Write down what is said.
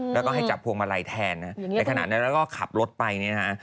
แล้วก็ให้จับพวงมาลัยแทนในขณะนั้นแล้วก็ขับรถไป